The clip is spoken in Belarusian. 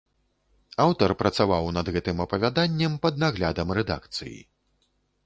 Аўтар працаваў над гэтым апавяданнем пад наглядам рэдакцыі.